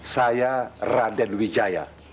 saya raden wijaya